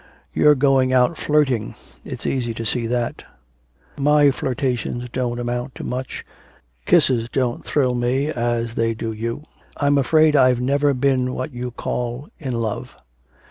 You're going out flirting. It's easy to see that.' 'My flirtations don't amount to much. Kisses don't thrill me as they do you. I'm afraid I've never been what you call "in love."'